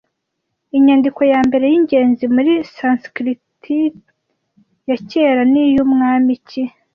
Inyandiko ya mbere yingenzi muri Sanskritike ya kera niy'umwami ki